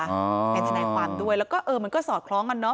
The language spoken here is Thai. เป็นทนายความด้วยแล้วก็เออมันก็สอดคล้องกันเนอ